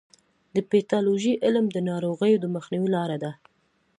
د پیتالوژي علم د ناروغیو د مخنیوي لاره ده.